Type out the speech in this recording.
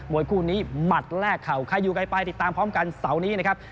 วยคู่นี้หมัดแรกเข่าใครอยู่ไกลไปติดตามพร้อมกันเสาร์นี้นะครับ